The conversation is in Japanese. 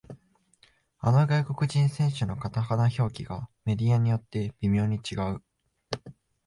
あの外国人選手のカタカナ表記がメディアによって微妙に違う